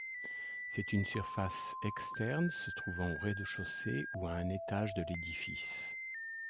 C'est une surface externe se trouvant au rez-de-chaussée ou à un étage de l'édifice.